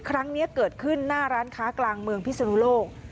ครั้งนี้เกิดขึ้นหน้าร้านค้ากลางเมืองพิศนุโลก